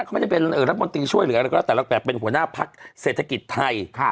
เขาไม่ได้เป็นรัฐบาลตีช่วยหรืออะไรแต่เราแบบเป็นหัวหน้าภักร์เศรษฐกิจไทย